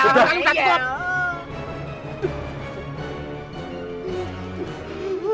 oh kok malah oh ini namanya ngeliat